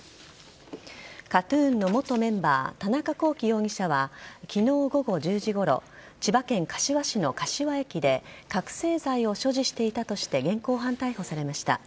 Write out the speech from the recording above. ＫＡＴ‐ＴＵＮの元メンバー田中聖容疑者は昨日、午後１０時ごろ千葉県柏市の柏駅で覚醒剤を所持していたとして現行犯逮捕されました。